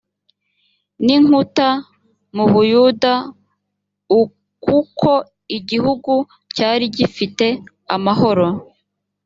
n inkuta mu buyuda u kuko igihugu cyari gifite amahoro